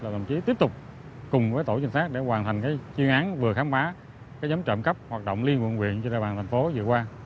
đồng chí tiếp tục cùng với tổ trinh sát để hoàn thành chuyên án vừa khám phá giám trộm cắp hoạt động liên quân quyền trên địa bàn tp hcm vừa qua